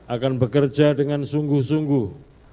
akan bekerja dengan sungguh sungguh